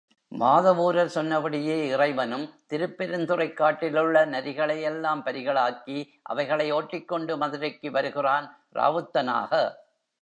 வாதவூரர் சொன்னபடியே இறைவனும், திருப்பெருந்துறைக் காட்டிலுள்ள நரிகளையெல்லாம் பரிகளாக்கி அவைகளை ஓட்டிக்கொண்டு மதுரைக்கு வருகிறான் ராவுத்தனாக.